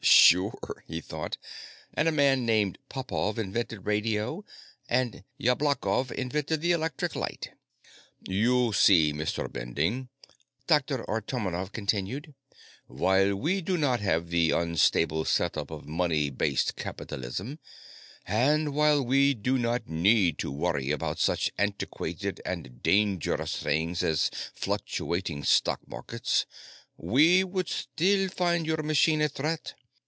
Sure, he thought, and a man named Popov invented radio, and Yablochkov invented the electric light. "You see, Mr. Bending," Dr Artomonov continued, "while we do not have the unstable setup of money based capitalism, and while we do not need to worry about such antiquated and dangerous things as fluctuating stock markets, we would still find your machine a threat.